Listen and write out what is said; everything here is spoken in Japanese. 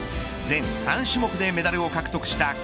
全３種目でメダルを獲得した